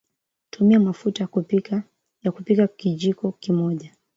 tumia mafuta ya kupikia kijiko kimoja